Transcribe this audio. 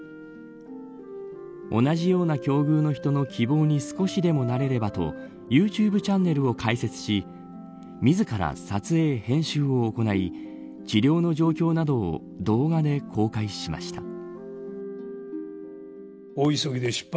同じような境遇の人に希望に少しでもなれればとユーチューブチャンネルを開設し自ら、撮影編集を行い治療の状況などを動画で公開しました。